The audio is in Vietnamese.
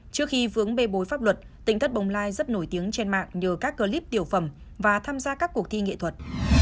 trước khi vướng bê bối pháp luật tỉnh thất bồng lai rất nổi tiếng trên mạng nhờ các clip tiểu phẩm và tham gia các cuộc thi nghệ thuật